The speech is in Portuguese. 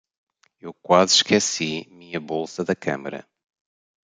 Eu quase esqueci minha bolsa da câmera.